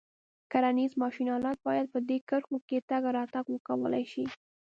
کرنیز ماشین آلات باید په دې کرښو کې تګ راتګ وکولای شي.